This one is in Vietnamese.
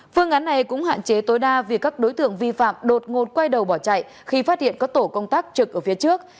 phương án này cũng hạn chế tối đa việc các đối tượng vi phạm đột ngột quay đầu bỏ chạy khi phát hiện có tổ công tác trực ở phía trước